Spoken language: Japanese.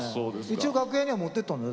一応楽屋には持ってったんだよ。